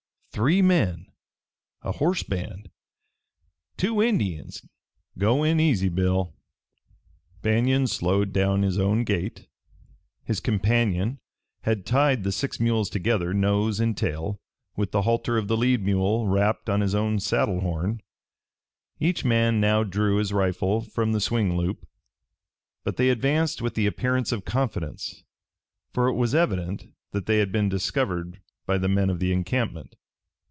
"Three men. A horse band. Two Indians. Go in easy, Bill." Banion slowed down his own gait. His companion had tied the six mules together, nose and tail, with the halter of the lead mule wrapped on his own saddle horn. Each man now drew his rifle from the swing loop. But they advanced with the appearance of confidence, for it was evident that they had been discovered by the men of the encampment.